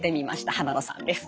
濱野さんです。